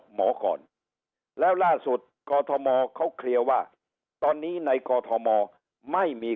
หมอก่อนแล้วล่าสุดกอทมเขาเคลียร์ว่าตอนนี้ในกอทมไม่มี